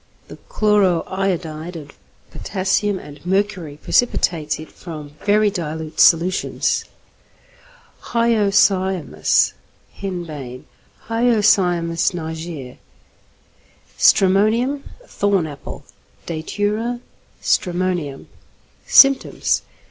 The chloro iodide of potassium and mercury precipitates it from very dilute solutions. =Hyoscyamus= (Henbane). Hyoscyamus niger. =Stramonium= (Thorn Apple). Datura stramonium. _Symptoms.